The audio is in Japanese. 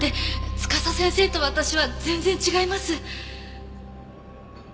司先生と私は全然違います！